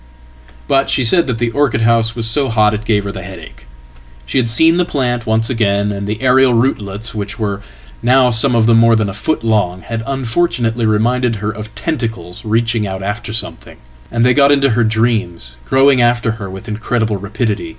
"But she said that the orchid house was so hot it gave her the headache. She had seen the plant once again, and the aerial rootlets, which were nowsome of them more than a foot long, had unfortunately reminded her oftentacles reaching out after something; and they got into her dreams, growing after her with incredible rapidity.